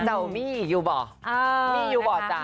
แต่มีอีกอยู่บ่ะมีอยู่บ่ะจ๊ะ